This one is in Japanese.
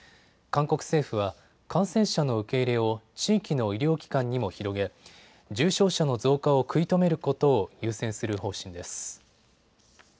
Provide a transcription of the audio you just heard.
韓国政府は感染者の受け入れを地域の医療機関にも広げ重症者の増加を食い止めることを優先する方針です。